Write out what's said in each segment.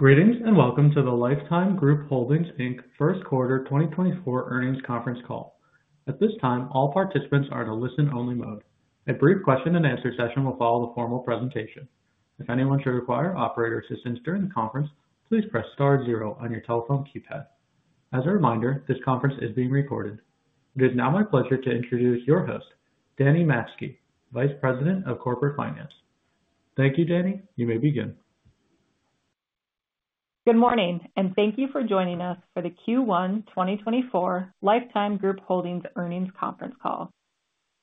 Greetings, and welcome to the Life Time Group Holdings, Inc. First Quarter 2024 earnings conference call. At this time, all participants are in a listen-only mode. A brief question and answer session will follow the formal presentation. If anyone should require operator assistance during the conference, please press star zero on your telephone keypad. As a reminder, this conference is being recorded. It is now my pleasure to introduce your host, Dani Matzke, Vice President of Corporate Finance. Thank you, Dani. You may begin. Good morning, and thank you for joining us for the Q1 2024 Life Time Group Holdings earnings conference call.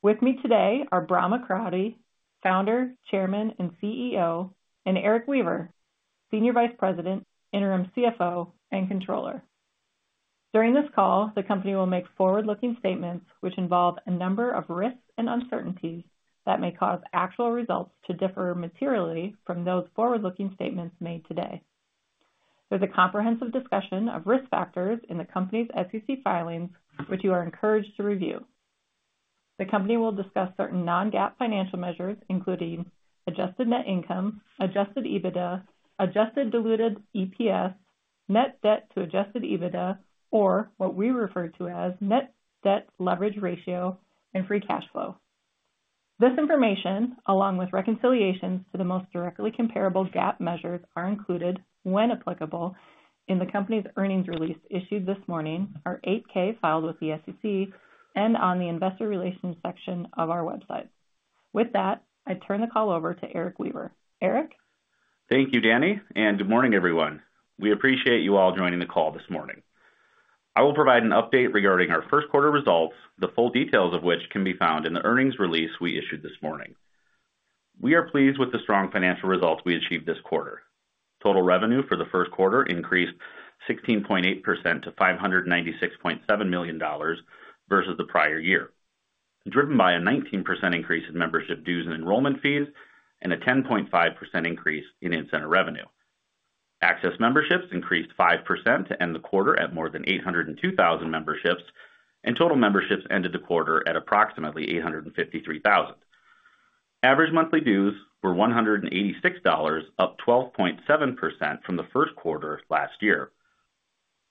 With me today are Bahram Akradi, Founder, Chairman, and CEO, and Erik Weaver, Senior Vice President, Interim CFO, and Controller. During this call, the company will make forward-looking statements which involve a number of risks and uncertainties that may cause actual results to differ materially from those forward-looking statements made today. There's a comprehensive discussion of risk factors in the company's SEC filings, which you are encouraged to review. The company will discuss certain non-GAAP financial measures, including adjusted net income, adjusted EBITDA, adjusted diluted EPS, net debt to adjusted EBITDA, or what we refer to as net debt leverage ratio and free cash flow. This information, along with reconciliations to the most directly comparable GAAP measures, are included, when applicable, in the company's earnings release issued this morning, our 8-K filed with the SEC, and on the investor relations section of our website. With that, I turn the call over to Erik Weaver. Erik? Thank you, Dani, and good morning, everyone. We appreciate you all joining the call this morning. I will provide an update regarding our first quarter results, the full details of which can be found in the earnings release we issued this morning. We are pleased with the strong financial results we achieved this quarter. Total revenue for the first quarter increased 16.8% to $596.7 million versus the prior year, driven by a 19% increase in membership dues and enrollment fees and a 10.5% increase in incentive revenue. Access memberships increased 5% to end the quarter at more than 802,000 memberships, and total memberships ended the quarter at approximately 853,000. Average monthly dues were $186, up 12.7% from the first quarter last year.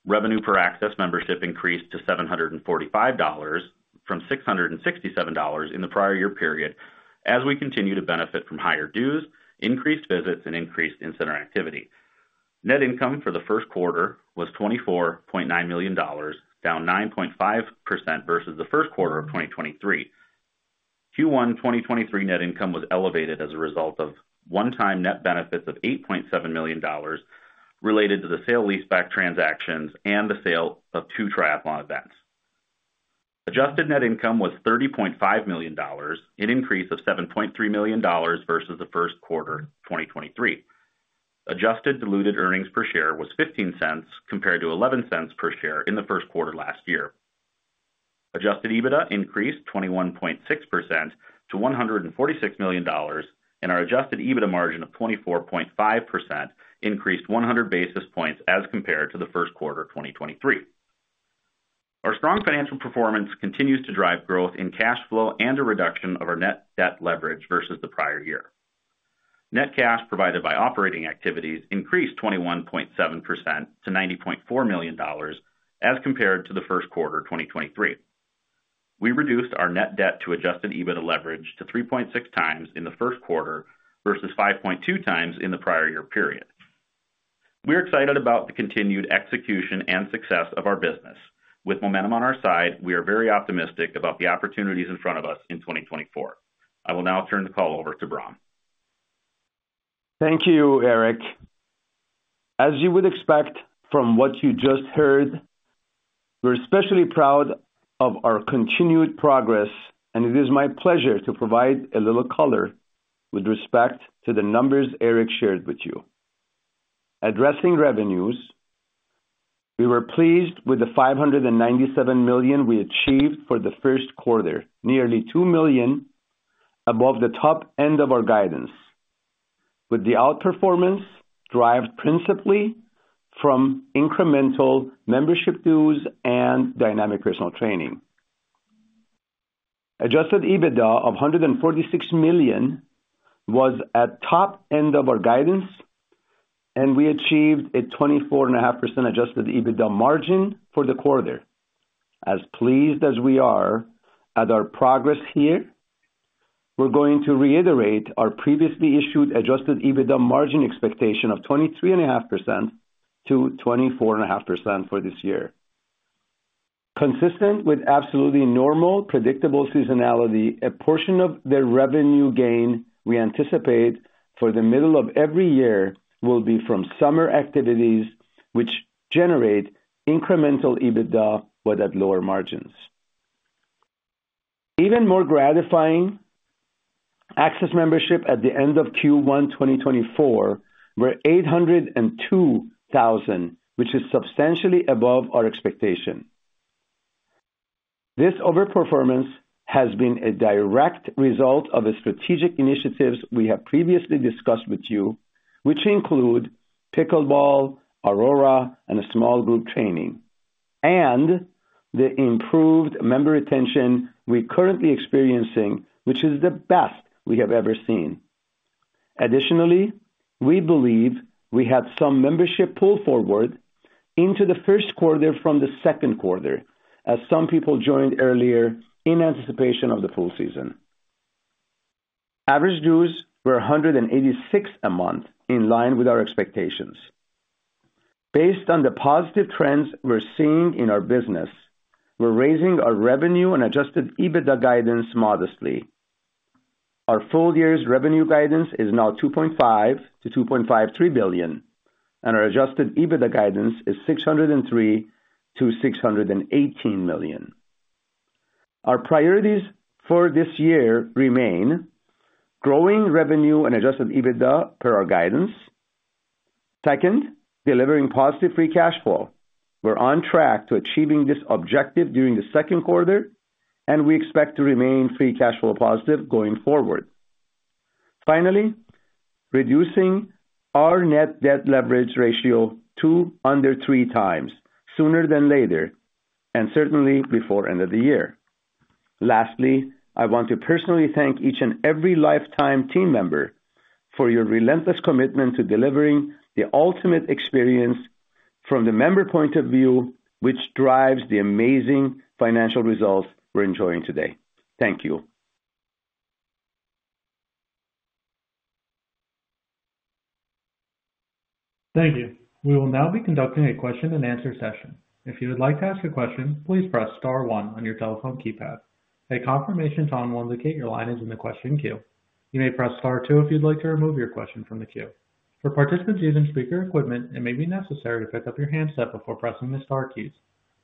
Revenue per Access Membership increased to $745 from $667 in the prior year period, as we continue to benefit from higher dues, increased visits, and increased in-center activity. Net income for the first quarter was $24.9 million, down 9.5% versus the first quarter of 2023. Q1 2023 net income was elevated as a result of one-time net benefits of $8.7 million related to the sale-leaseback transactions and the sale of two triathlon events. Adjusted net income was $30.5 million, an increase of $7.3 million versus the first quarter 2023. Adjusted diluted earnings per share was $0.15, compared to $0.11 per share in the first quarter last year. Adjusted EBITDA increased 21.6% to $146 million, and our adjusted EBITDA margin of 24.5% increased 100 basis points as compared to the first quarter of 2023. Our strong financial performance continues to drive growth in cash flow and a reduction of our net debt leverage versus the prior year. Net cash provided by operating activities increased 21.7% to $90.4 million as compared to the first quarter of 2023. We reduced our net debt to adjusted EBITDA leverage to 3.6x in the first quarter versus 5.2x in the prior year period. We're excited about the continued execution and success of our business. With momentum on our side, we are very optimistic about the opportunities in front of us in 2024. I will now turn the call over to Bahram. Thank you, Erik. As you would expect from what you just heard, we're especially proud of our continued progress, and it is my pleasure to provide a little color with respect to the numbers Erik shared with you. Addressing revenues, we were pleased with the $597 million we achieved for the first quarter, nearly $2 million above the top end of our guidance, with the outperformance derived principally from incremental membership dues and Dynamic Personal Training. Adjusted EBITDA of $146 million was at top end of our guidance, and we achieved a 24.5% adjusted EBITDA margin for the quarter. As pleased as we are at our progress here, we're going to reiterate our previously issued adjusted EBITDA margin expectation of 23.5%-24.5% for this year. Consistent with absolutely normal, predictable seasonality, a portion of the revenue gain we anticipate for the middle of every year will be from summer activities, which generate incremental EBITDA, but at lower margins. Even more gratifying, Access Membership at the end of Q1 2024 were 802,000, which is substantially above our expectation. This overperformance has been a direct result of the strategic initiatives we have previously discussed with you, which include pickleball, ARORA, and small group training... and the improved member retention we're currently experiencing, which is the best we have ever seen. Additionally, we believe we had some membership pull forward into the first quarter from the second quarter, as some people joined earlier in anticipation of the pool season. Average dues were $186 a month, in line with our expectations. Based on the positive trends we're seeing in our business, we're raising our revenue and Adjusted EBITDA guidance modestly. Our full year's revenue guidance is now $2.5 billion-$2.53 billion, and our Adjusted EBITDA guidance is $603 million-$618 million. Our priorities for this year remain: growing revenue and Adjusted EBITDA per our guidance. Second, delivering positive free cash flow. We're on track to achieving this objective during the second quarter, and we expect to remain free cash flow positive going forward. Finally, reducing our net debt leverage ratio to under 3x, sooner than later, and certainly before end of the year. Lastly, I want to personally thank each and every Life Time team member for your relentless commitment to delivering the ultimate experience from the member point of view, which drives the amazing financial results we're enjoying today. Thank you. Thank you. We will now be conducting a question-and-answer session. If you would like to ask a question, please press star one on your telephone keypad. A confirmation tone will indicate your line is in the question queue. You may press star two if you'd like to remove your question from the queue. For participants using speaker equipment, it may be necessary to pick up your handset before pressing the star keys.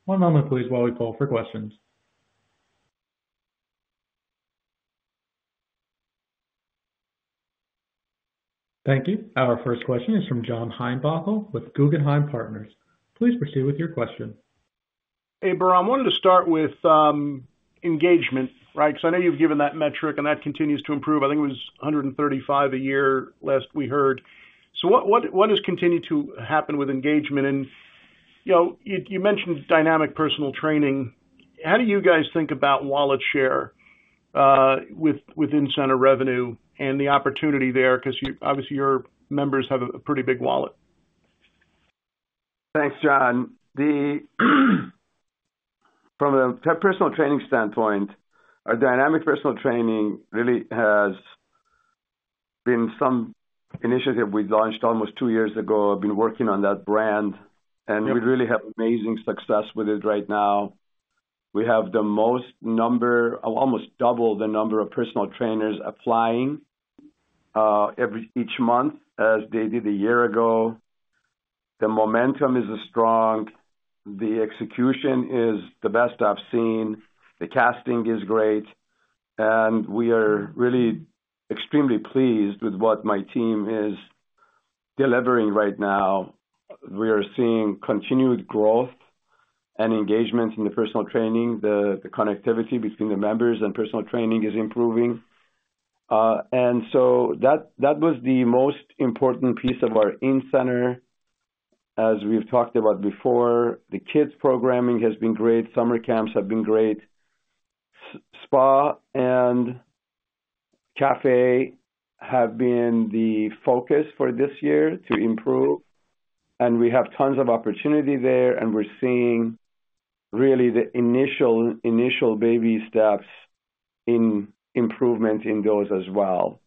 One moment, please, while we pull for questions. Thank you. Our first question is from John Heinbockel with Guggenheim Partners. Please proceed with your question. Hey, Bahram. I wanted to start with engagement, right? So I know you've given that metric, and that continues to improve. I think it was 135 a year, last we heard. So what has continued to happen with engagement? And, you know, you mentioned Dynamic Personal Training. How do you guys think about wallet share with in-center revenue and the opportunity there? 'Cause obviously, your members have a pretty big wallet. Thanks, John. From a personal training standpoint, our Dynamic Personal Training really has been some initiative we launched almost two years ago. I've been working on that brand, and we really have amazing success with it right now. We have almost double the number of personal trainers applying each month, as they did a year ago. The momentum is strong, the execution is the best I've seen, the casting is great, and we are really extremely pleased with what my team is delivering right now. We are seeing continued growth and engagement in the personal training. The connectivity between the members and personal training is improving. And so that was the most important piece of our in-center. As we've talked about before, the kids' programming has been great, summer camps have been great. Spa and cafe have been the focus for this year to improve, and we have tons of opportunity there, and we're seeing really the initial baby steps in improvement in those as well.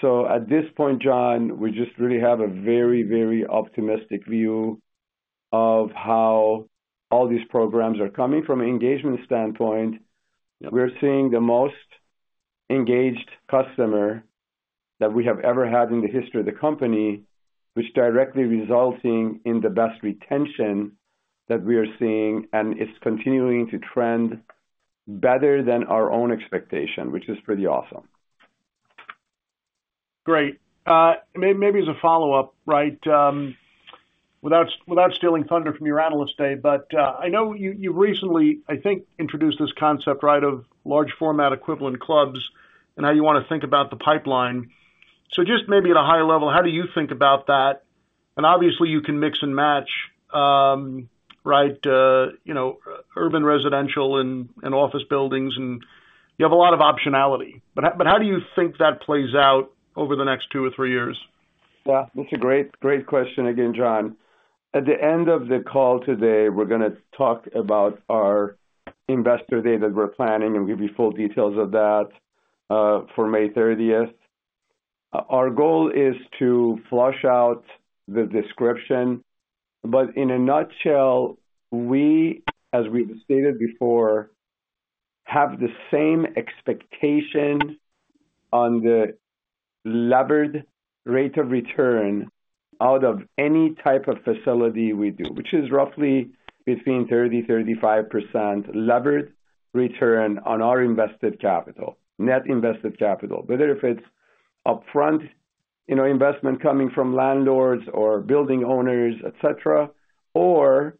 So at this point, John, we just really have a very, very optimistic view of how all these programs are coming. From an engagement standpoint, we're seeing the most engaged customer that we have ever had in the history of the company, which directly resulting in the best retention that we are seeing, and it's continuing to trend better than our own expectation, which is pretty awesome. Great. Maybe as a follow-up, right, without stealing thunder from your analyst day, but I know you recently, I think, introduced this concept, right, of large format equivalent clubs and how you wanna think about the pipeline. So just maybe at a high level, how do you think about that? And obviously, you can mix and match, right, you know, urban, residential and office buildings, and you have a lot of optionality. But how do you think that plays out over the next two or three years? Yeah, that's a great, great question again, John. At the end of the call today, we're gonna talk about our investor day that we're planning and give you full details of that for May 30th. Our goal is to flesh out the description, but in a nutshell, we, as we've stated before, have the same expectation on the levered rate of return out of any type of facility we do, which is roughly between 30%-35% levered return on our invested capital, net invested capital. Whether if it's upfront, you know, investment coming from landlords or building owners, et cetera, or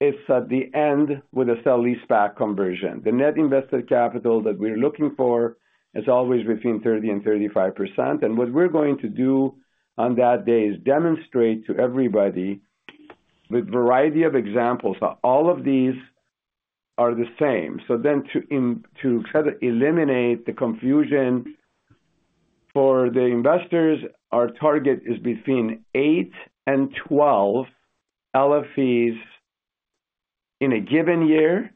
if at the end with a sale-leaseback conversion. The net invested capital that we're looking for is always between 30% and 35%. And what we're going to do on that day is demonstrate to everybody the variety of examples of all of these-... are the same. So then to try to eliminate the confusion for the investors, our target is between 8 and 12 LFEs in a given year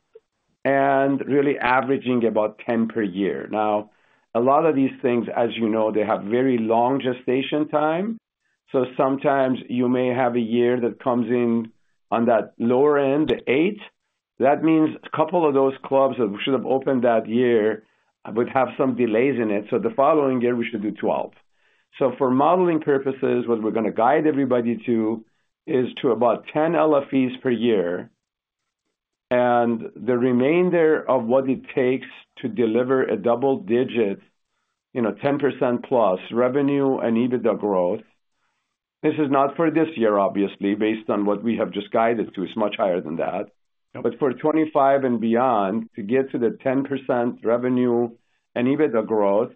and really averaging about 10 per year. Now, a lot of these things, as you know, they have very long gestation time, so sometimes you may have a year that comes in on that lower end, the 8. That means a couple of those clubs that should have opened that year would have some delays in it, so the following year, we should do 12. So for modeling purposes, what we're gonna guide everybody to, is to about 10 LFEs per year. And the remainder of what it takes to deliver a double-digit, you know, 10%+ revenue and EBITDA growth. This is not for this year, obviously, based on what we have just guided to, it's much higher than that. But for 2025 and beyond, to get to the 10% revenue and EBITDA growth,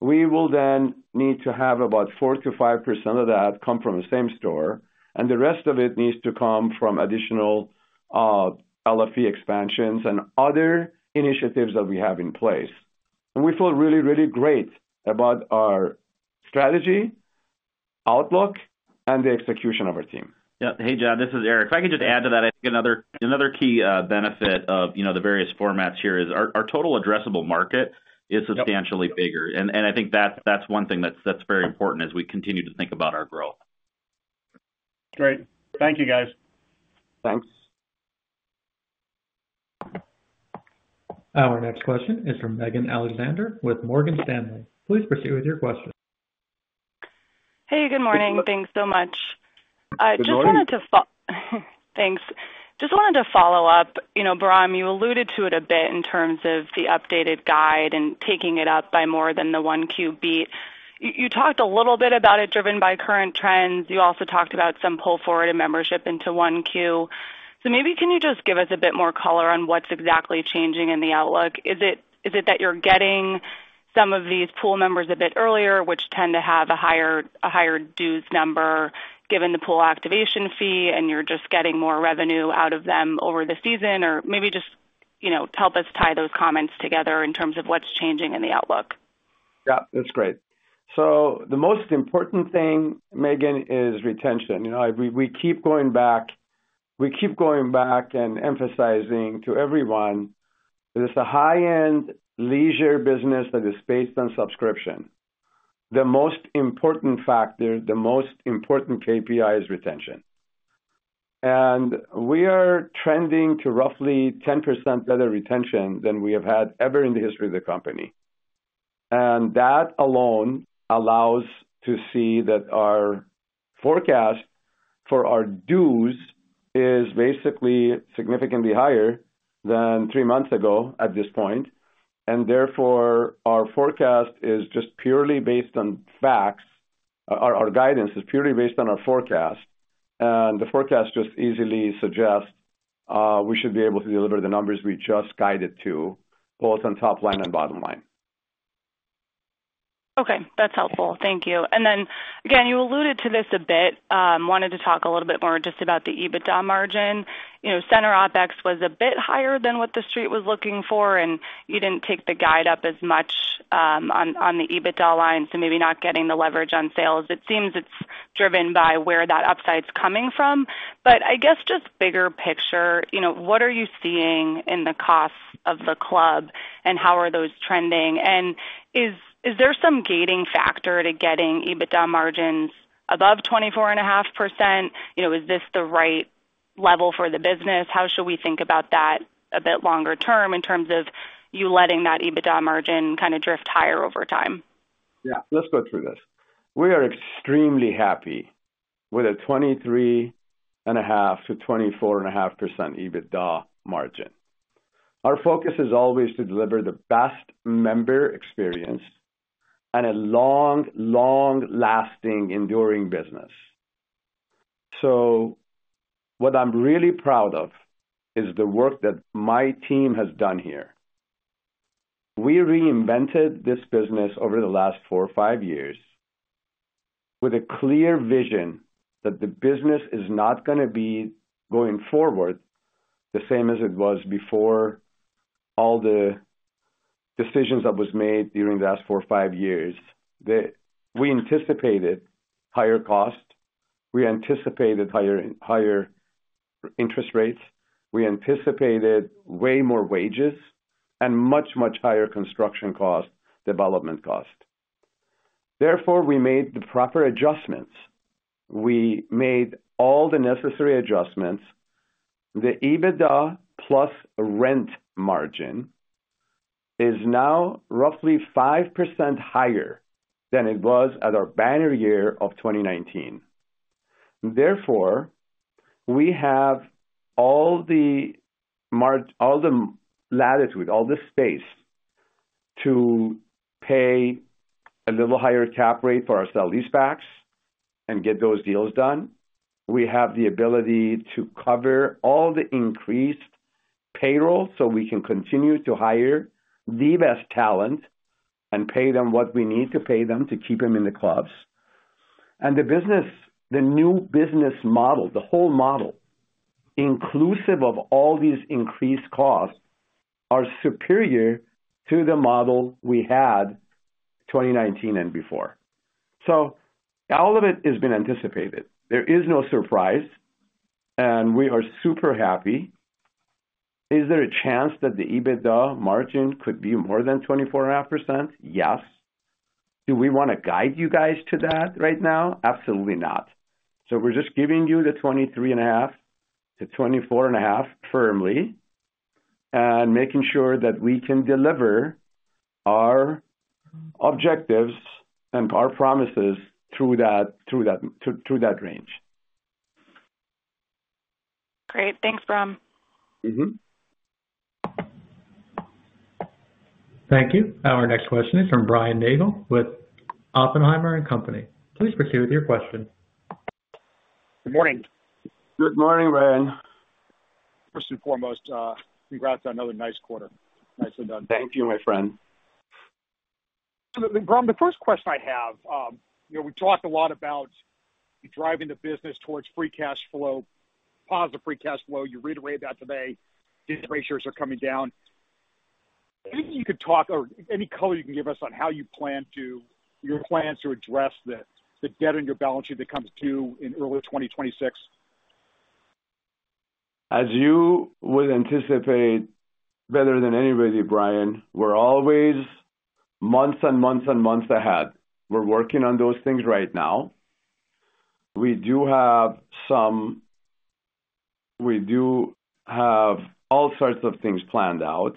we will then need to have about 4%-5% of that come from the same store, and the rest of it needs to come from additional, LFE expansions and other initiatives that we have in place. And we feel really, really great about our strategy, outlook, and the execution of our team. Yeah. Hey, John, this is Erik. If I could just add to that, I think another key benefit of, you know, the various formats here is our total addressable market is substantially bigger. And I think that's one thing that's very important as we continue to think about our growth. Great. Thank you, guys. Thanks. Our next question is from Megan Alexander with Morgan Stanley. Please proceed with your question. Hey, good morning. Thanks so much. Good morning. I just wanted to. Thanks. Just wanted to follow up. You know, Bahram, you alluded to it a bit in terms of the updated guide and taking it up by more than the one Q beat. You talked a little bit about it, driven by current trends. You also talked about some pull forward in membership into one Q. So maybe, can you just give us a bit more color on what's exactly changing in the outlook? Is it, is it that you're getting some of these pool members a bit earlier, which tend to have a higher, a higher dues number, given the pool activation fee, and you're just getting more revenue out of them over the season? Or maybe just, you know, to help us tie those comments together in terms of what's changing in the outlook. Yeah, that's great. So the most important thing, Megan, is retention. You know, we, we keep going back, we keep going back and emphasizing to everyone that it's a high-end leisure business that is based on subscription. The most important factor, the most important KPI, is retention. And we are trending to roughly 10% better retention than we have had ever in the history of the company. And that alone allows to see that our forecast for our dues is basically significantly higher than three months ago at this point, and therefore, our forecast is just purely based on facts. Our guidance is purely based on our forecast, and the forecast just easily suggests we should be able to deliver the numbers we just guided to, both on top line and bottom line. Okay, that's helpful. Thank you. And then again, you alluded to this a bit. Wanted to talk a little bit more just about the EBITDA margin. You know, center OpEx was a bit higher than what the Street was looking for, and you didn't take the guide up as much, on the EBITDA line, so maybe not getting the leverage on sales. It seems it's driven by where that upside is coming from. But I guess just bigger picture, you know, what are you seeing in the costs of the club and how are those trending? And is there some gating factor to getting EBITDA margins above 24.5%? You know, is this the right level for the business? How should we think about that a bit longer term in terms of you letting that EBITDA margin kind of drift higher over time? Yeah, let's go through this. We are extremely happy with a 23.5%-24.5% EBITDA margin. Our focus is always to deliver the best member experience and a long, long-lasting enduring business. So what I'm really proud of is the work that my team has done here. We reinvented this business over the last four or five years with a clear vision that the business is not gonna be going forward, the same as it was before, all the decisions that was made during the last four or five years. We anticipated higher costs, we anticipated higher and higher interest rates, we anticipated way more wages and much, much higher construction costs, development costs. Therefore, we made the proper adjustments. We made all the necessary adjustments. The EBITDA plus rent margin is now roughly 5% higher than it was at our banner year of 2019. Therefore, we have all the margin, all the latitude, all the space to pay a little higher cap rate for our sale leasebacks and get those deals done. We have the ability to cover all the increased payroll, so we can continue to hire the best talent and pay them what we need to pay them to keep them in the clubs. The business, the new business model, the whole model, inclusive of all these increased costs, are superior to the model we had 2019 and before. All of it has been anticipated. There is no surprise, and we are super happy. Is there a chance that the EBITDA margin could be more than 24.5%? Yes. Do we want to guide you guys to that right now? Absolutely not. So we're just giving you the 23.5%-24.5% firmly, and making sure that we can deliver our objectives and our promises through that range. Great. Thanks, Bahram. Mm-hmm. Thank you. Our next question is from Brian Nagel with Oppenheimer and Company. Please proceed with your question. Good morning. Good morning, Brian. First and foremost, congrats on another nice quarter. Nicely done. Thank you, my friend. So, Bahram, the first question I have, you know, we talked a lot about driving the business towards free cash flow, positive free cash flow. You reiterated that today, these ratios are coming down. Anything you could talk or any color you can give us on how you plan to- your plans to address the, the debt on your balance sheet that comes due in early 2026? As you would anticipate better than anybody, Brian, we're always months and months and months ahead. We're working on those things right now. We do have all sorts of things planned out.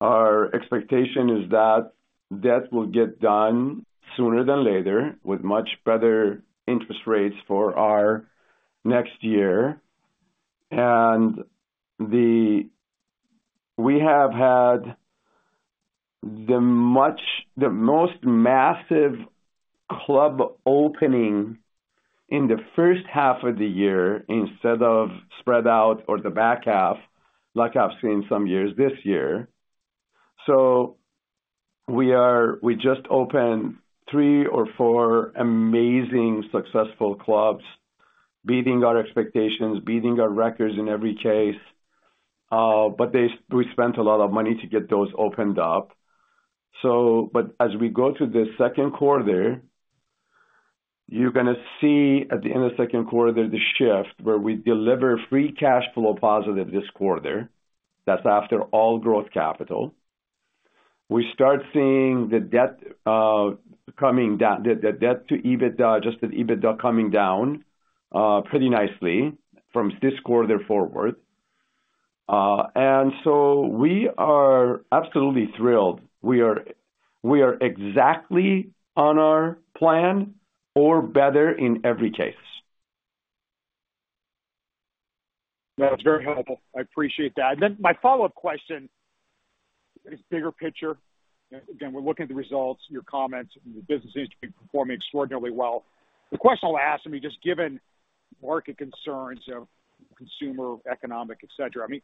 Our expectation is that debt will get done sooner than later, with much better interest rates for our next year. And we have had the most massive club opening in the first half of the year instead of spread out or the back half, like I've seen some years this year. So we just opened three or four amazing, successful clubs, beating our expectations, beating our records in every case, but we spent a lot of money to get those opened up. But as we go to the second quarter, you're gonna see at the end of the second quarter, the shift where we deliver Free Cash Flow positive this quarter. That's after all growth capital. We start seeing the debt coming down, the debt to EBITDA, Adjusted EBITDA coming down pretty nicely from this quarter forward. And so we are absolutely thrilled. We are exactly on our plan or better in every case. That was very helpful. I appreciate that. And then my follow-up question is bigger picture. Again, we're looking at the results, your comments, and the business seems to be performing extraordinarily well. The question I'll ask, I mean, just given market concerns of consumer, economic, et cetera, I mean,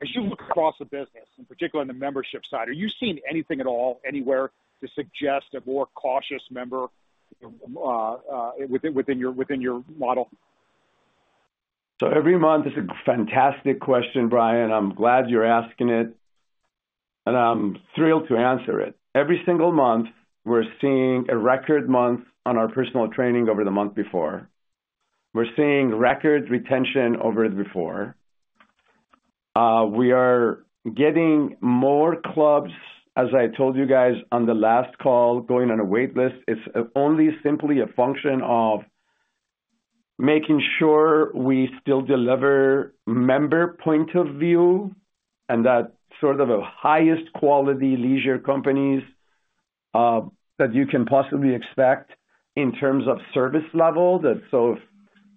as you look across the business, in particular on the membership side, are you seeing anything at all, anywhere, to suggest a more cautious member within your model? So every month... It's a fantastic question, Brian. I'm glad you're asking it, and I'm thrilled to answer it. Every single month, we're seeing a record month on our personal training over the month before. We're seeing record retention over before. We are getting more clubs, as I told you guys on the last call, going on a waitlist. It's only simply a function of making sure we still deliver member point of view and that sort of the highest quality leisure companies, that you can possibly expect in terms of service level. That so if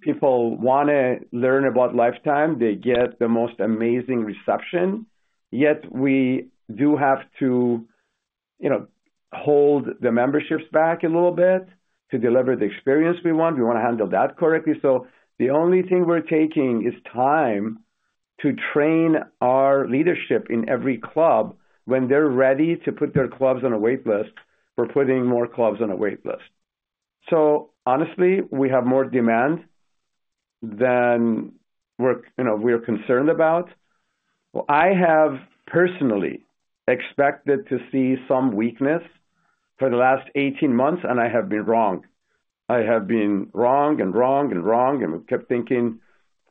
people wanna learn about Life Time, they get the most amazing reception. Yet we do have to, you know, hold the memberships back a little bit to deliver the experience we want. We wanna handle that correctly. So the only thing we're taking is time to train our leadership in every club, when they're ready to put their clubs on a waitlist, we're putting more clubs on a waitlist. So honestly, we have more demand than we're, you know, we're concerned about. I have personally expected to see some weakness for the last 18 months, and I have been wrong. I have been wrong and wrong and wrong, and we kept thinking,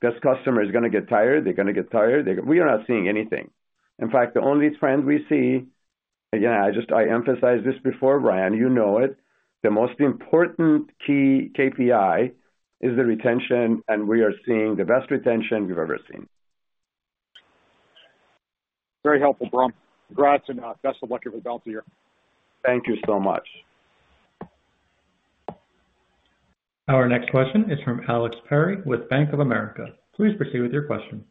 this customer is gonna get tired, they're gonna get tired, they're... We are not seeing anything. In fact, the only trend we see, again, I just- I emphasized this before, Brian, you know it, the most important key KPI is the retention, and we are seeing the best retention we've ever seen. Very helpful, Bahram. Congrats and, best of luck with the rest of the year. Thank you so much. Our next question is from Alex Perry with Bank of America. Please proceed with your question.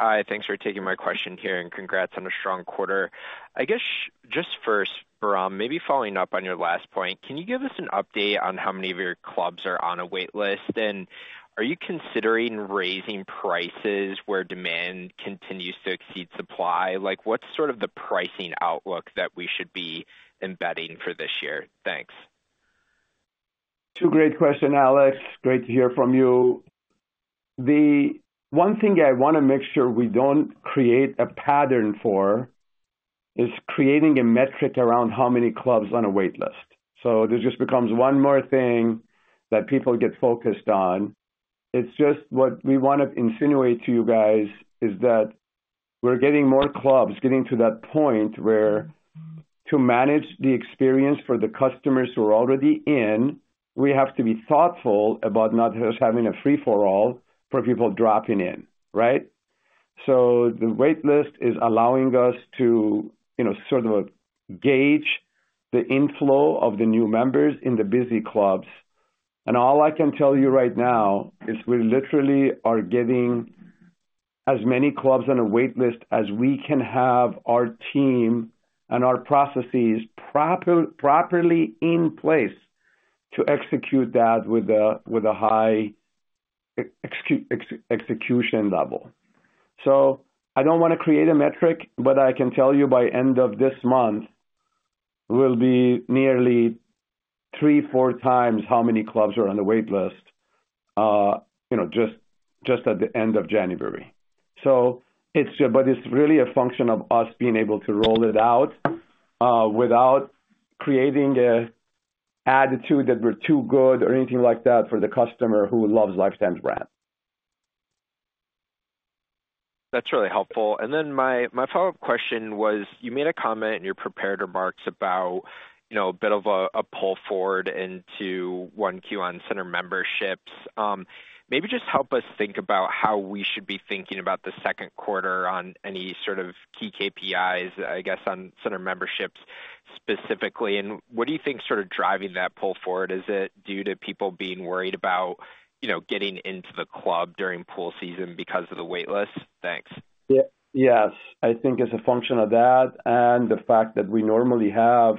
Hi, thanks for taking my question here, and congrats on a strong quarter. I guess, just first, Bahram, maybe following up on your last point, can you give us an update on how many of your clubs are on a waitlist? And are you considering raising prices where demand continues to exceed supply? Like, what's sort of the pricing outlook that we should be embedding for this year? Thanks. ... Two great questions, Alex. Great to hear from you. The one thing I wanna make sure we don't create a pattern for, is creating a metric around how many clubs on a wait list. So this just becomes one more thing that people get focused on. It's just what we wanna insinuate to you guys, is that we're getting more clubs, getting to that point where to manage the experience for the customers who are already in, we have to be thoughtful about not just having a free-for-all for people dropping in, right? So the wait list is allowing us to, you know, sort of gauge the inflow of the new members in the busy clubs. All I can tell you right now is we literally are getting as many clubs on a wait list as we can have our team and our processes properly in place to execute that with a high execution level. So I don't wanna create a metric, but I can tell you by end of this month, we'll be nearly 3x-4x how many clubs are on the wait list, you know, just, just at the end of January. So it's... but it's really a function of us being able to roll it out without creating an attitude that we're too good or anything like that for the customer who loves Life Time brand. That's really helpful. And then my follow-up question was: You made a comment in your prepared remarks about, you know, a bit of a pull forward into Q1 on center memberships. Maybe just help us think about how we should be thinking about the second quarter on any sort of key KPIs, I guess, on center memberships specifically, and what do you think sort of driving that pull forward? Is it due to people being worried about, you know, getting into the club during pool season because of the wait list? Thanks. Yes, I think it's a function of that and the fact that we normally have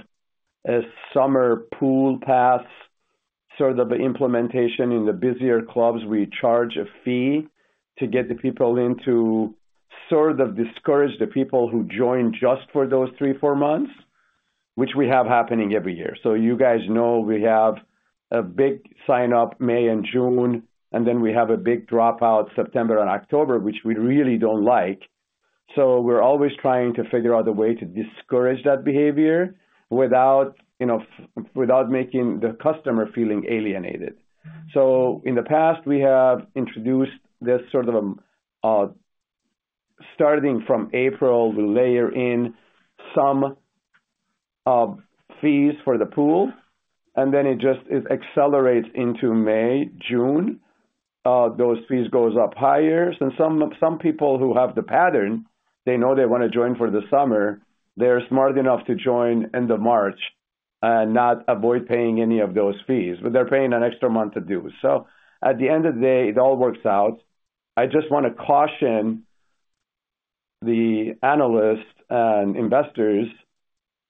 a summer pool pass, sort of implementation in the busier clubs. We charge a fee to get the people in to sort of discourage the people who join just for those three, four months, which we have happening every year. So you guys know we have a big sign-up May and June, and then we have a big dropout September and October, which we really don't like. So we're always trying to figure out a way to discourage that behavior without, you know, without making the customer feeling alienated. So in the past, we have introduced this sort of, starting from April, we layer in some fees for the pool, and then it just, it accelerates into May, June, those fees goes up higher. So some people who have the pattern, they know they wanna join for the summer, they're smart enough to join end of March and not avoid paying any of those fees, but they're paying an extra month to do so. At the end of the day, it all works out. I just wanna caution the analysts and investors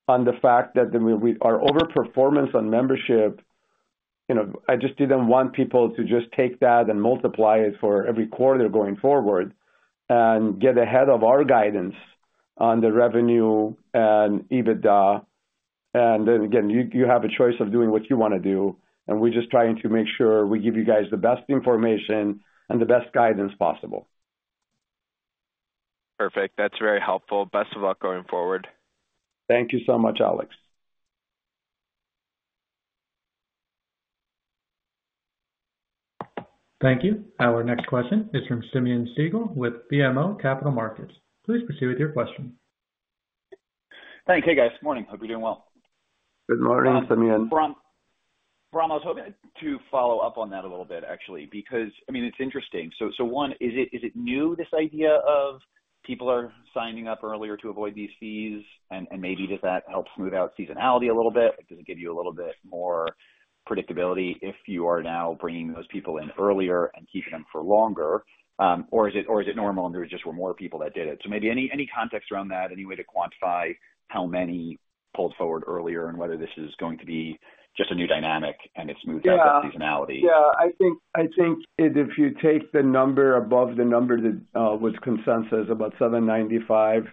on the fact that we, our overperformance on membership, you know, I just didn't want people to just take that and multiply it for every quarter going forward and get ahead of our guidance on the revenue and EBITDA. And then again, you have a choice of doing what you wanna do, and we're just trying to make sure we give you guys the best information and the best guidance possible. Perfect. That's very helpful. Best of luck going forward. Thank you so much, Alex. Thank you. Our next question is from Simeon Siegel with BMO Capital Markets. Please proceed with your question. Thanks. Hey, guys. Morning. Hope you're doing well. Good morning, Simeon. Bahram, Bahram, I was hoping to follow up on that a little bit, actually, because, I mean, it's interesting. So, so one, is it, is it new, this idea of people are signing up earlier to avoid these fees? And, and maybe does that help smooth out seasonality a little bit? Does it give you a little bit more predictability if you are now bringing those people in earlier and keeping them for longer? Or is it, or is it normal, and there just were more people that did it? So maybe any, any context around that, any way to quantify how many pulled forward earlier and whether this is going to be just a new dynamic and it's smoothed out the seasonality? Yeah, I think, I think if you take the number above the number that was consensus, about $795,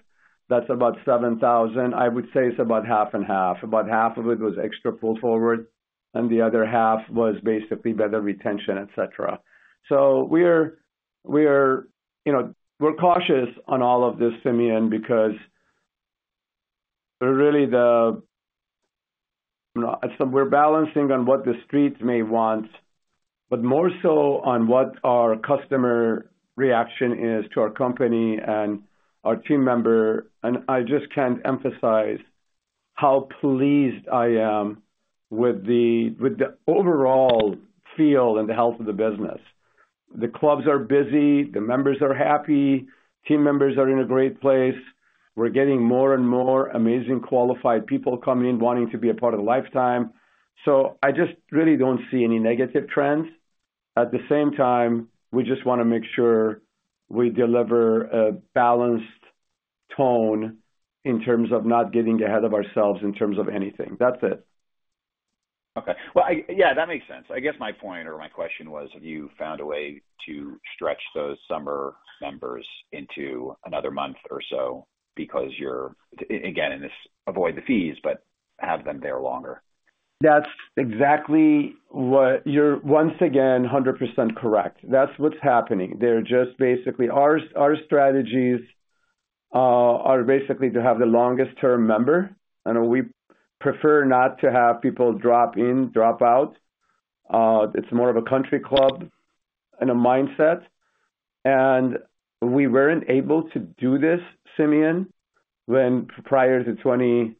that's about $7,000. I would say it's about 50/50. About half of it was extra pull forward, and the other half was basically better retention, et cetera. So we're... You know, we're cautious on all of this, Simeon, because really, the- no, so we're balancing on what the Street may want, but more so on what our customer reaction is to our company and our team member. And I just can't emphasize how pleased I am with the, with the overall feel and the health of the business. The clubs are busy, the members are happy, team members are in a great place. We're getting more and more amazing, qualified people come in, wanting to be a part of Life Time. I just really don't see any negative trends. At the same time, we just wanna make sure we deliver a balanced tone in terms of not getting ahead of ourselves, in terms of anything. That's it. Okay. Well, yeah, that makes sense. I guess my point or my question was: Have you found a way to stretch those summer members into another month or so because you're, again, and it's avoid the fees, but have them there longer?... That's exactly what you’re once again 100% correct. That's what's happening. They're just basically... Our strategies are basically to have the longest-term member, and we prefer not to have people drop in, drop out. It's more of a country club and a mindset. And we weren't able to do this, Simeon, when prior to 2020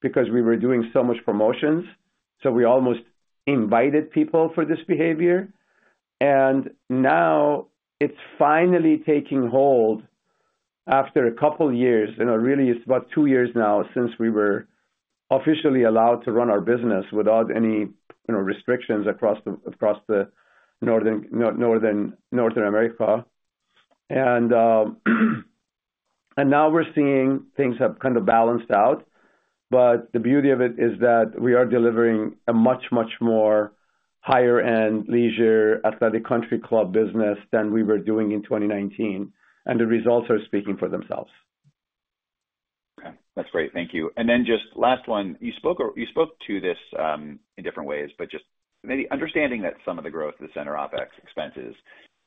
because we were doing so much promotions, so we almost invited people for this behavior. And now it's finally taking hold after a couple years, you know, really, it's about two years now since we were officially allowed to run our business without any, you know, restrictions across the North America. And now we're seeing things have kind of balanced out. But the beauty of it is that we are delivering a much, much more higher-end leisure athletic country club business than we were doing in 2019, and the results are speaking for themselves. Okay, that's great. Thank you. And then just last one. You spoke to this in different ways, but just maybe understanding that some of the growth of the center OpEx expenses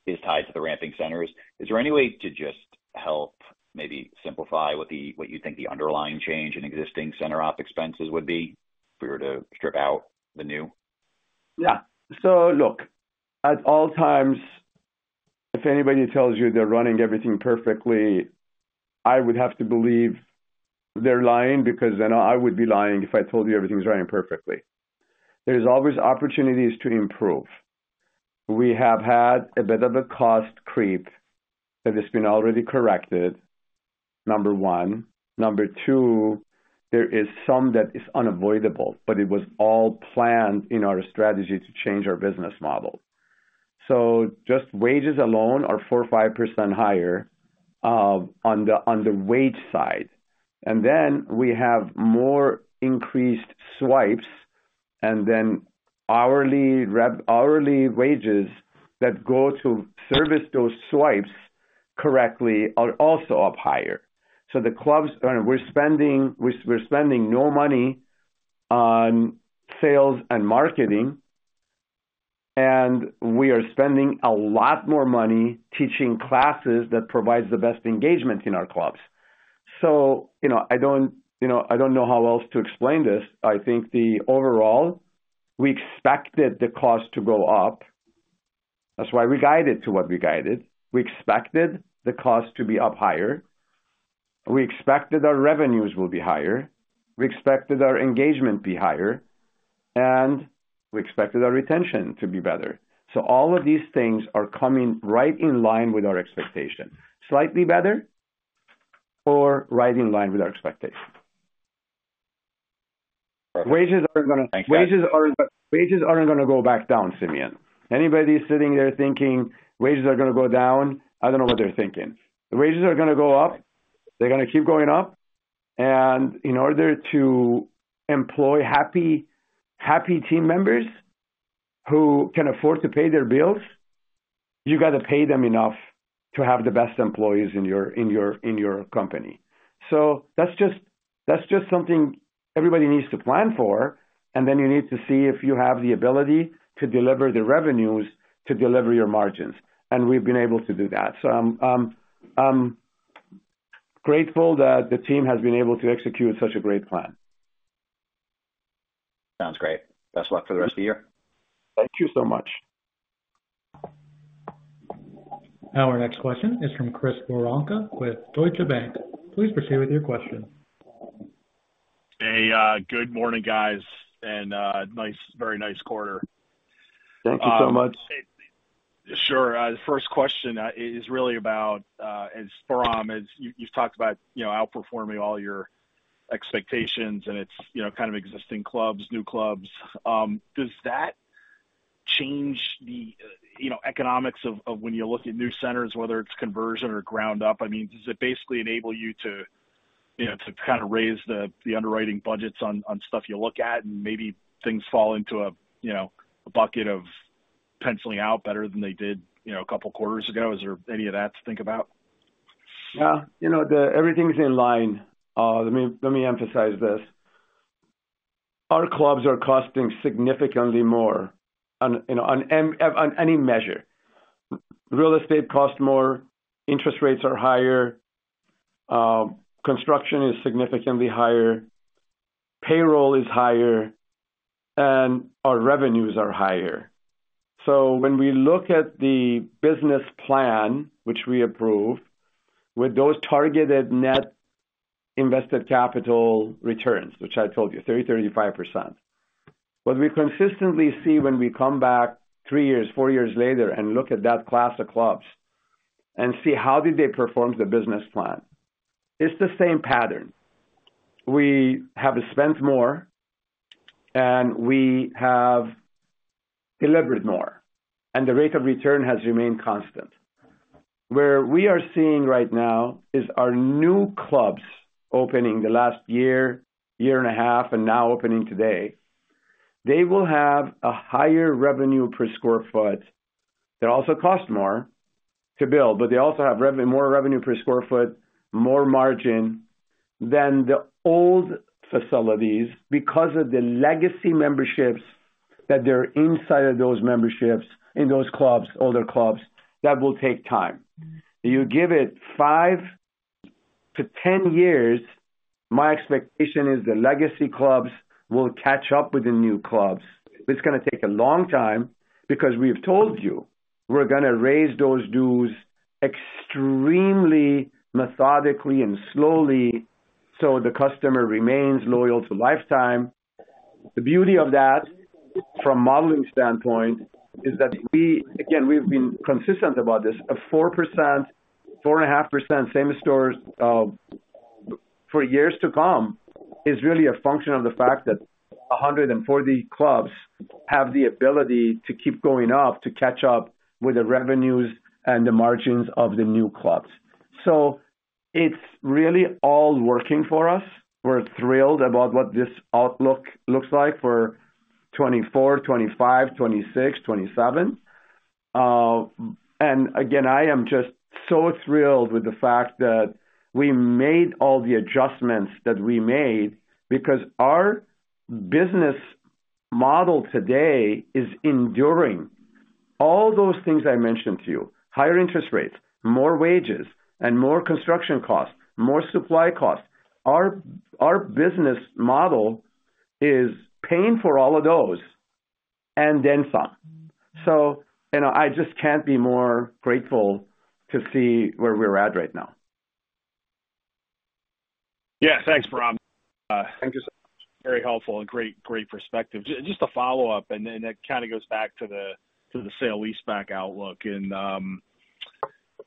is tied to the ramping centers, is there any way to just help maybe simplify what you think the underlying change in existing center OpEx expenses would be if we were to strip out the new? Yeah. So look, at all times, if anybody tells you they're running everything perfectly, I would have to believe they're lying, because then I would be lying if I told you everything was running perfectly. There's always opportunities to improve. We have had a bit of a cost creep that has been already corrected, number one. Number two, there is some that is unavoidable, but it was all planned in our strategy to change our business model. So just wages alone are four or five percent higher, on the, on the wage side. And then we have more increased swipes and then hourly wages that go to service those swipes correctly are also up higher. So the clubs, we're spending no money on sales and marketing, and we are spending a lot more money teaching classes that provides the best engagement in our clubs. So, you know, I don't, you know, I don't know how else to explain this. I think the overall, we expected the cost to go up. That's why we guided to what we guided. We expected the cost to be up higher. We expected our revenues will be higher, we expected our engagement be higher, and we expected our retention to be better. So all of these things are coming right in line with our expectations. Slightly better or right in line with our expectations. Perfect. Wages are gonna- Thanks. Wages are, wages aren't gonna go back down, Simeon. Anybody sitting there thinking wages are gonna go down, I don't know what they're thinking. The wages are gonna go up, they're gonna keep going up, and in order to employ happy, happy team members who can afford to pay their bills, you got to pay them enough to have the best employees in your, in your, in your company. So that's just, that's just something everybody needs to plan for, and then you need to see if you have the ability to deliver the revenues to deliver your margins. We've been able to do that. So I'm grateful that the team has been able to execute such a great plan. Sounds great. Best of luck for the rest of the year. Thank you so much. Our next question is from Chris Woronka with Deutsche Bank. Please proceed with your question. Hey, good morning, guys, and very nice quarter. Thank you so much. Sure. The first question is really about, as far as you've talked about, you know, outperforming all your expectations and it's, you know, kind of existing clubs, new clubs. Does that change the, you know, economics of when you look at new centers, whether it's conversion or ground up? I mean, does it basically enable you to, you know, to kind of raise the underwriting budgets on stuff you look at, and maybe things fall into a bucket of penciling out better than they did a couple of quarters ago? Is there any of that to think about? Yeah. You know, everything's in line. Let me emphasize this: Our clubs are costing significantly more on, you know, on any measure. Real estate costs more, interest rates are higher, construction is significantly higher, payroll is higher, and our revenues are higher. So when we look at the business plan, which we approve, with those targeted net invested capital returns, which I told you, 30%-35%. What we consistently see when we come back three years, four years later and look at that class of clubs and see how did they perform the business plan, it's the same pattern. We have spent more, and we have delivered more, and the rate of return has remained constant. Where we are seeing right now is our new clubs opening the last year, year and a half, and now opening today-... They will have a higher revenue per sq ft. They also cost more to build, but they also have revenue, more revenue per sq ft, more margin than the old facilities because of the legacy memberships that they're inside of those memberships, in those clubs, older clubs, that will take time. You give it 5-10 years, my expectation is the legacy clubs will catch up with the new clubs. It's gonna take a long time because we've told you we're gonna raise those dues extremely methodically and slowly, so the customer remains loyal to Life Time. The beauty of that, from a modeling standpoint, is that we, again, we've been consistent about this. A 4%, 4.5% same stores for years to come is really a function of the fact that 140 clubs have the ability to keep going up to catch up with the revenues and the margins of the new clubs. So it's really all working for us. We're thrilled about what this outlook looks like for 2024, 2025, 2026, 2027. And again, I am just so thrilled with the fact that we made all the adjustments that we made, because our business model today is enduring. All those things I mentioned to you, higher interest rates, more wages and more construction costs, more supply costs. Our business model is paying for all of those and then some. So, you know, I just can't be more grateful to see where we're at right now. Yeah, thanks, Bahram. Thank you so much. Very helpful and great, great perspective. Just a follow-up, and then it kind of goes back to the, to the sale-leaseback outlook and,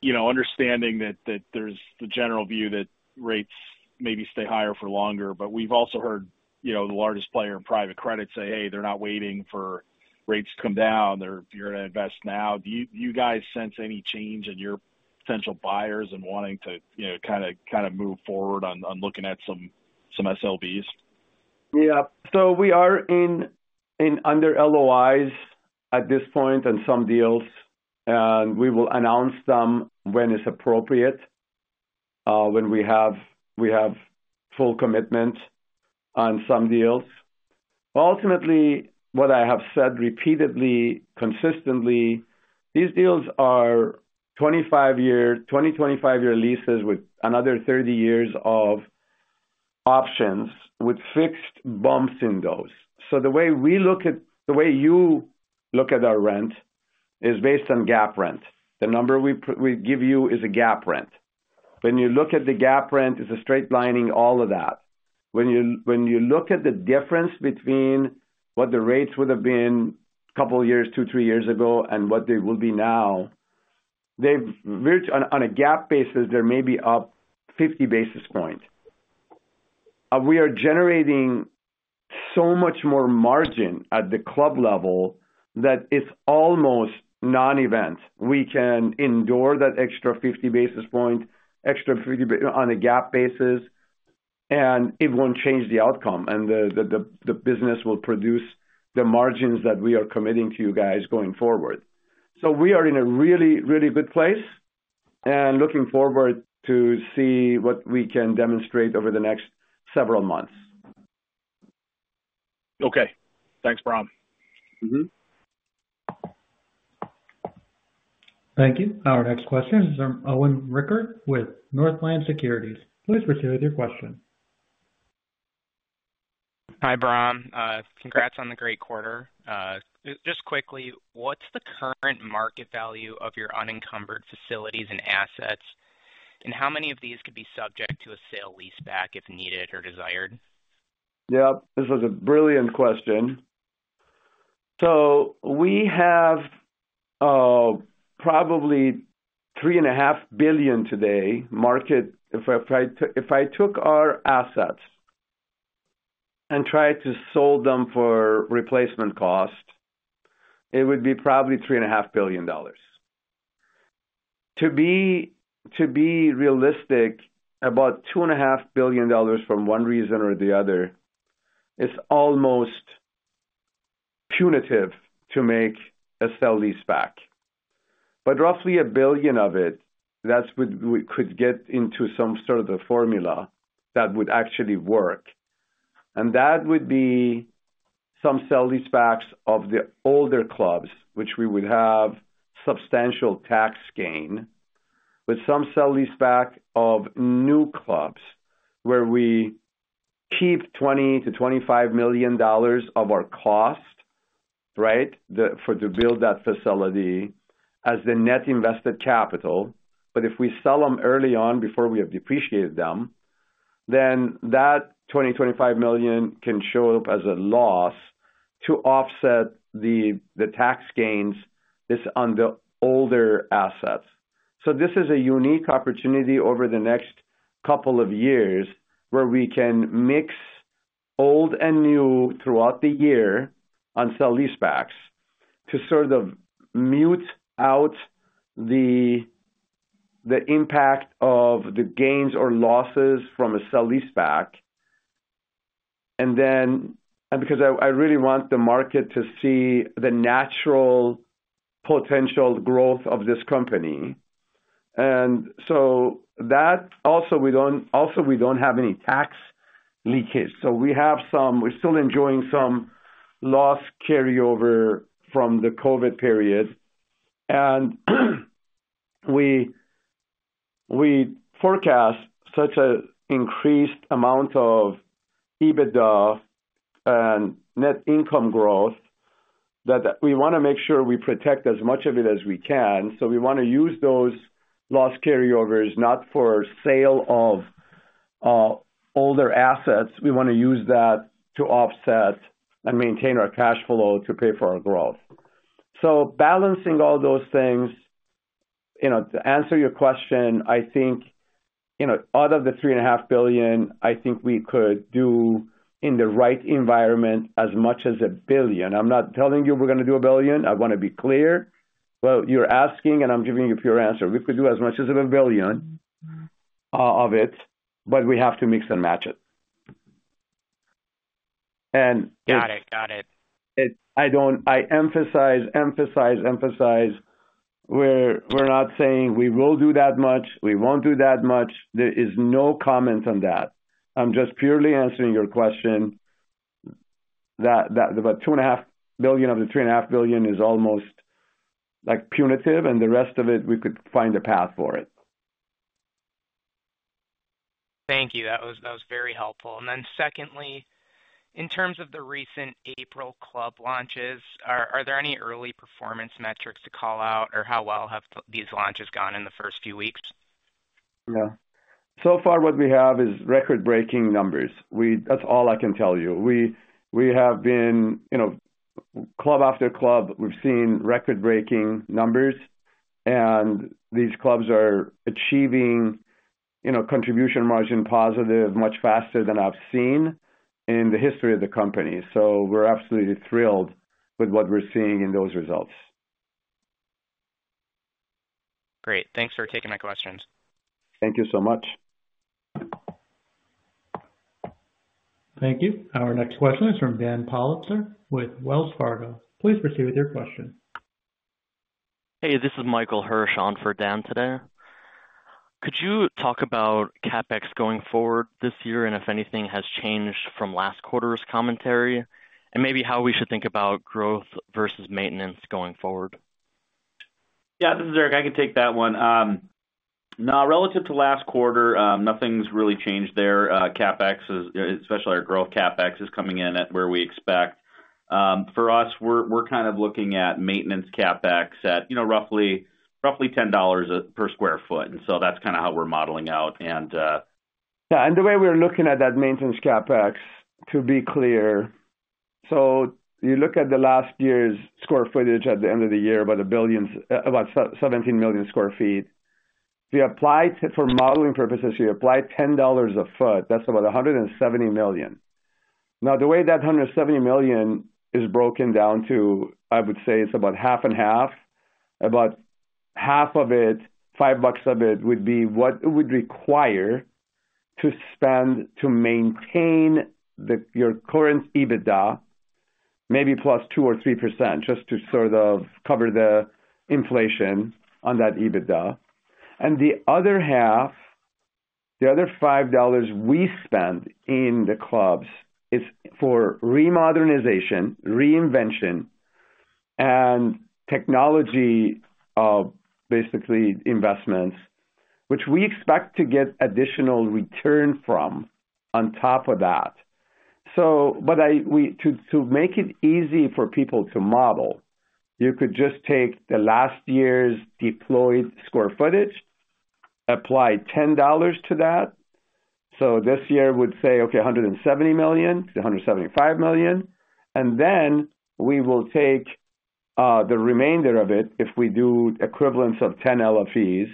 you know, understanding that, that there's the general view that rates maybe stay higher for longer. But we've also heard, you know, the largest player in private credit say, hey, they're not waiting for rates to come down. They're... If you're going to invest now, do you, you guys sense any change in your potential buyers and wanting to, you know, kind of, kind of move forward on, on looking at some SLBs? Yeah. So we are in under LOIs at this point on some deals, and we will announce them when it's appropriate, when we have full commitment on some deals. Ultimately, what I have said repeatedly, consistently, these deals are 25-year-- 2025-year leases with another 30 years of options, with fixed bumps in those. So the way we look at-- the way you look at our rent is based on GAAP rent. The number we give you is a GAAP rent. When you look at the GAAP rent, it's a straight lining, all of that. When you look at the difference between what the rates would have been a couple of years, two, three years ago, and what they will be now, they've reached. On a GAAP basis, they may be up 50 basis points. We are generating so much more margin at the club level that it's almost non-event. We can endure that extra 50 basis point, extra 50 on a GAAP basis, and it won't change the outcome, and the business will produce the margins that we are committing to you guys going forward. So we are in a really, really good place and looking forward to see what we can demonstrate over the next several months. Okay. Thanks, Bahram. Mm-hmm. Thank you. Our next question is from Owen Rickert with Northland Securities. Please proceed with your question. Hi, Bahram. Congrats on the great quarter. Just quickly, what's the current market value of your unencumbered facilities and assets? And how many of these could be subject to a sale leaseback if needed or desired? Yeah, this is a brilliant question. So we have, probably $3.5 billion today, market... If I took our assets and tried to sell them for replacement cost, it would be probably $3.5 billion. To be realistic, about $2.5 billion from one reason or the other, is almost punitive to make a sale leaseback. But roughly $1 billion of it, that's what we could get into some sort of the formula that would actually work. And that would be some sale leasebacks of the older clubs, which we would have substantial tax gain, with some sale leaseback of new clubs, where we keep $20 million-$25 million of our cost, right, for to build that facility as the net invested capital. But if we sell them early on before we have depreciated them, then that $20 million-$25 million can show up as a loss to offset the tax gains on the older assets. So this is a unique opportunity over the next couple of years, where we can mix old and new throughout the year on sale-leasebacks, to sort of mute out the impact of the gains or losses from a sale-leaseback, and because I really want the market to see the natural potential growth of this company. And so that also, we don't have any tax leakage, so we have some—we're still enjoying some loss carryover from the COVID period. We forecast such an increased amount of EBITDA and net income growth, that we want to make sure we protect as much of it as we can. So we want to use those loss carryovers, not for sale of older assets. We want to use that to offset and maintain our cash flow to pay for our growth. So balancing all those things, you know, to answer your question, I think, you know, out of the $3.5 billion, I think we could do, in the right environment, as much as $1 billion. I'm not telling you we're going to do $1 billion. I want to be clear. But you're asking, and I'm giving you a pure answer. We could do as much as $1 billion of it, but we have to mix and match it. And- Got it. Got it. I emphasize, we're not saying we will do that much, we won't do that much. There is no comment on that. I'm just purely answering your question, that about $2.5 billion of the $3.5 billion is almost like punitive, and the rest of it, we could find a path for it. Thank you. That was very helpful. And then secondly, in terms of the recent April club launches, are there any early performance metrics to call out, or how well have these launches gone in the first few weeks? Yeah. So far, what we have is record-breaking numbers. That's all I can tell you. We have been, you know, club after club, we've seen record-breaking numbers, and these clubs are achieving, you know, contribution margin positive, much faster than I've seen in the history of the company. So we're absolutely thrilled with what we're seeing in those results. Great. Thanks for taking my questions. Thank you so much. Thank you. Our next question is from Dan Politzer with Wells Fargo. Please proceed with your question. Hey, this is Michael Hirsch on for Dan today. Could you talk about CapEx going forward this year, and if anything has changed from last quarter's commentary? Maybe how we should think about growth versus maintenance going forward. Yeah, this is Erik. I can take that one. Now, relative to last quarter, nothing's really changed there. CapEx, especially our growth CapEx, is coming in at where we expect. For us, we're kind of looking at maintenance CapEx at, you know, roughly $10 per sq ft, and so that's kind of how we're modeling out and Yeah, and the way we're looking at that maintenance CapEx, to be clear, so you look at the last year's square footage at the end of the year, about 17 million sq ft. We applied for modeling purposes, we applied $10 a foot. That's about $170 million. Now, the way that $170 million is broken down to, I would say, it's about half and half. About half of it, $5 of it, would be what it would require to spend to maintain the, your current EBITDA, maybe plus 2% or 3%, just to sort of cover the inflation on that EBITDA. And the other half, the other $5 we spend in the clubs is for remodernization, reinvention, and technology, basically, investments, which we expect to get additional return from on top of that. So, but we—to make it easy for people to model, you could just take last year's deployed square footage, apply $10 to that. So this year would say, okay, $170 million-$175 million, and then we will take the remainder of it, if we do equivalent of 10 LFEs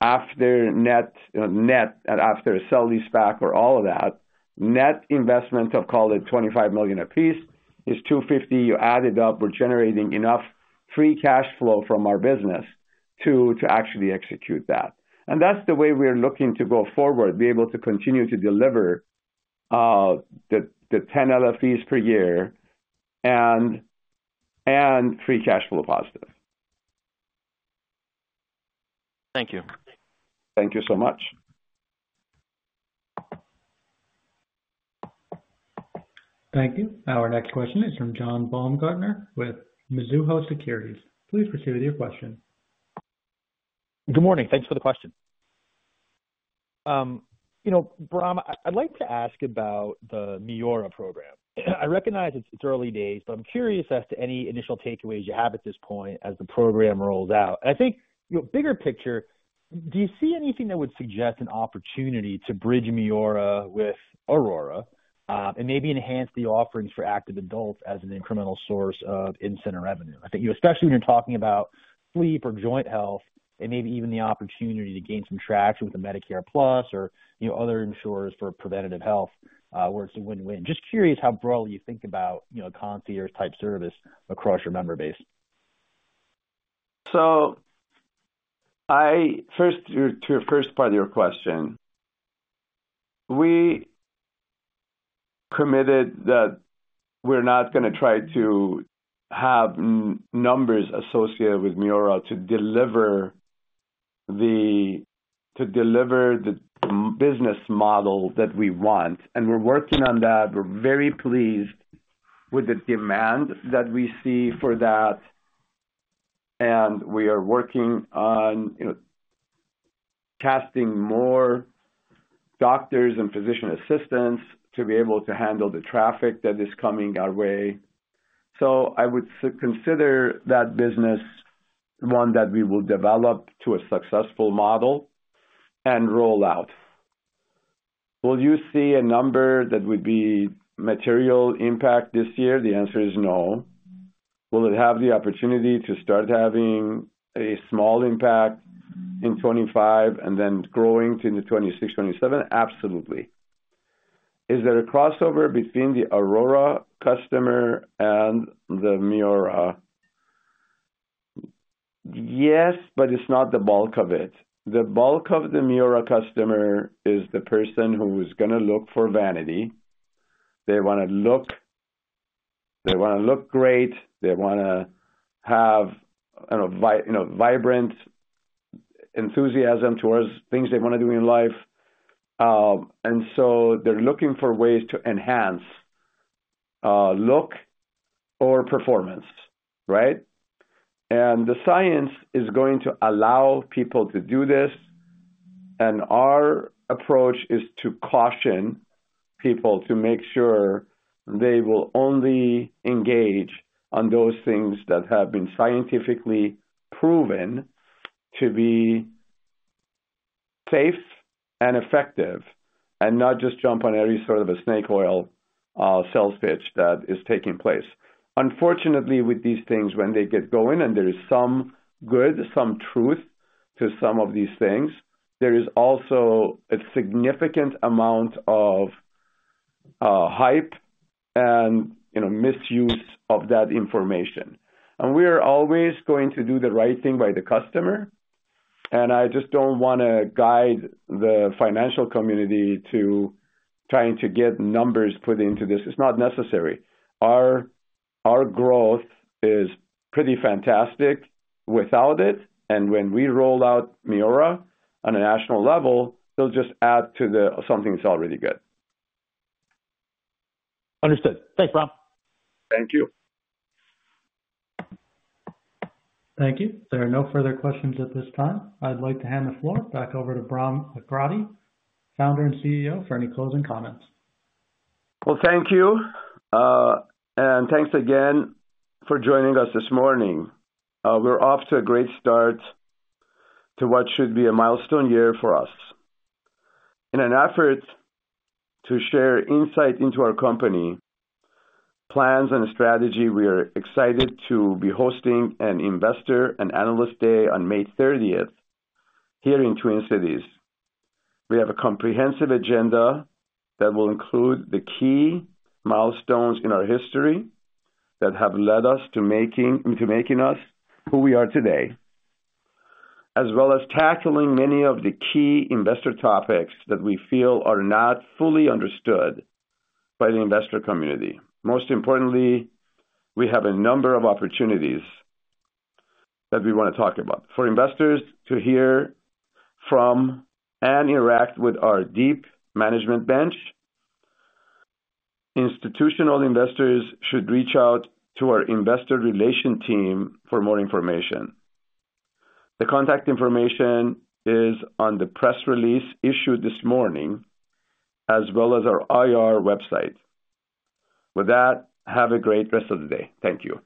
after net, after a sale-leaseback or all of that, net investment of, call it, $25 million apiece, is $250. You add it up, we're generating enough free cash flow from our business to actually execute that. And that's the way we're looking to go forward, be able to continue to deliver the 10 LFEs per year and free cash flow positive. Thank you. Thank you so much. Thank you. Our next question is from John Baumgartner with Mizuho Securities. Please proceed with your question. Good morning. Thanks for the question. You know, Bahram, I'd like to ask about the MIORA program. I recognize it's early days, but I'm curious as to any initial takeaways you have at this point as the program rolls out. I think, you know, bigger picture, do you see anything that would suggest an opportunity to bridge MIORA with ARORA, and maybe enhance the offerings for active adults as an incremental source of in-center revenue? I think, especially when you're talking about sleep or joint health, and maybe even the opportunity to gain some traction with the Medicare Plus or, you know, other insurers for preventative health, where it's a win-win. Just curious how broadly you think about, you know, a concierge-type service across your member base? So, first, to your first part of your question, we committed that we're not gonna try to have any numbers associated with MIORA to deliver the business model that we want, and we're working on that. We're very pleased with the demand that we see for that, and we are working on, you know, casting more doctors and physician assistants to be able to handle the traffic that is coming our way. So I would consider that business one that we will develop to a successful model and roll out. Will you see a number that would be material impact this year? The answer is no. Will it have the opportunity to start having a small impact in 2025 and then growing into 2026, 2027? Absolutely. Is there a crossover between the ARORA customer and the MIORA? Yes, but it's not the bulk of it. The bulk of the MIORA customer is the person who is gonna look for vanity. They wanna look, they wanna look great, they wanna have, you know, vibrant enthusiasm towards things they wanna do in life. And so they're looking for ways to enhance look or performance, right? And the science is going to allow people to do this, and our approach is to caution people to make sure they will only engage on those things that have been scientifically proven to be safe and effective, and not just jump on every sort of a snake oil sales pitch that is taking place. Unfortunately, with these things, when they get going and there is some good, some truth to some of these things, there is also a significant amount of hype and, you know, misuse of that information. We are always going to do the right thing by the customer, and I just don't wanna guide the financial community to trying to get numbers put into this. It's not necessary. Our growth is pretty fantastic without it, and when we roll out MIORA on a national level, it'll just add to the something that's already good. Understood. Thanks, Bahram. Thank you. Thank you. There are no further questions at this time. I'd like to hand the floor back over to Bahram Akradi, founder and CEO, for any closing comments. Well, thank you, and thanks again for joining us this morning. We're off to a great start to what should be a milestone year for us. In an effort to share insight into our company, plans and strategy, we are excited to be hosting an Investor and Analyst Day on May 30th here in Twin Cities. We have a comprehensive agenda that will include the key milestones in our history that have led us into making us who we are today, as well as tackling many of the key investor topics that we feel are not fully understood by the investor community. Most importantly, we have a number of opportunities that we wanna talk about. For investors to hear from and interact with our deep management bench, institutional investors should reach out to our investor relations team for more information. The contact information is on the press release issued this morning, as well as our IR website. With that, have a great rest of the day. Thank you.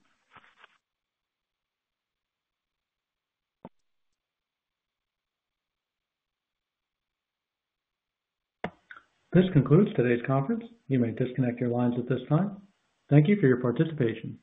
This concludes today's conference. You may disconnect your lines at this time. Thank you for your participation.